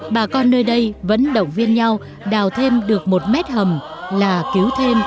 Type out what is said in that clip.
bà con nơi đây vẫn động viên nhau đào thêm được một mét hầm là cứu thêm